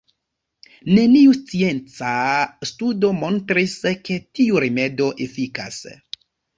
Neniu scienca studo montris ke tiu rimedo efikas.